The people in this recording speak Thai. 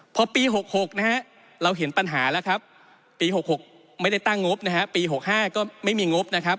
พอปี๖๖เราเห็นปัญหาแล้วปี๖๖ไม่ได้ตั้งงบปี๖๕ก็ไม่มีงบ